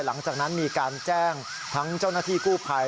หลังจากนั้นมีการแจ้งทั้งเจ้าหน้าที่กู้ภัย